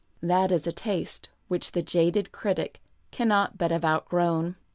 That is a taste which the jaded critic cannot but have outgrown.